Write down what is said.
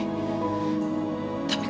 sat tunggu sat